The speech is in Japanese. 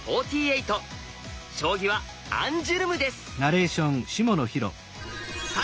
将棋はアンジュルムです。